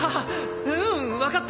うんわかった。